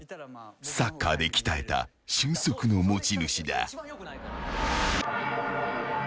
［サッカーで鍛えた俊足の持ち主だ］